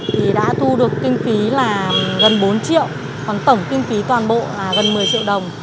thì đã thu được kinh phí là gần bốn triệu còn tổng kinh phí toàn bộ gần một mươi triệu đồng